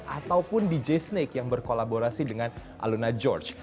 ataupun dj snake yang berkolaborasi dengan aluna george